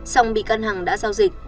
song bị can hằng đã giao dịch